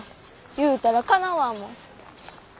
言うたらかなわんもん。